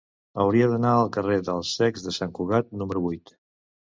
Hauria d'anar al carrer dels Cecs de Sant Cugat número vuit.